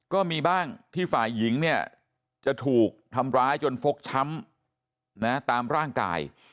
ก็มีบ้างที่ฝ่ายหญิงเนี่ยจะถูกทำร้ายจนฟกช้ำตามร่างกาย